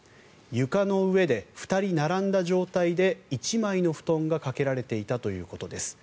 床の上で２人並んだ状態で１枚の布団がかけられていたということです。